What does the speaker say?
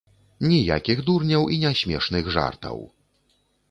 Ніякіх дурняў і нясмешных жартаў!